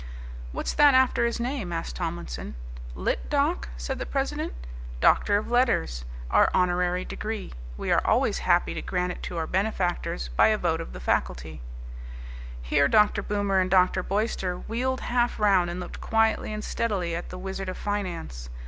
"What's that after his name?" asked Tomlinson. "Litt. Doc.?" said the president. "Doctor of Letters, our honorary degree. We are always happy to grant it to our benefactors by a vote of the faculty." Here Dr. Boomer and Dr. Boyster wheeled half round and looked quietly and steadily at the Wizard of Finance.